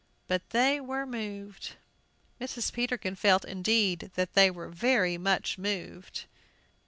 But they were moved! Mrs. Peterkin felt, indeed, that they were very much moved.